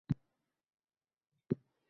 Aqldan ozmaslik uchun tavsiya